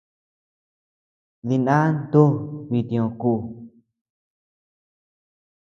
Dina ntu bitio ku.